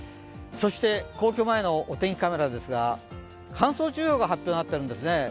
そして皇居前のお天気カメラですが乾燥注意報が発表になってるんですね。